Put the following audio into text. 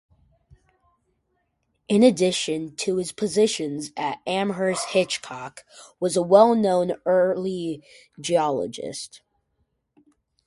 In addition to his positions at Amherst, Hitchcock was a well-known early geologist.